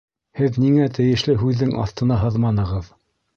Һеҙ ниңә тейешле һүҙҙең аҫтына һыҙманығыҙ